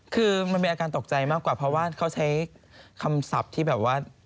คือมันมีอาการตกใจมากกว่าเพราะว่าเขาใช้คำศัพท์ที่แบบว่า